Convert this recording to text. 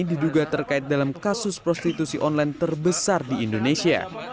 diduga terkait dalam kasus prostitusi online terbesar di indonesia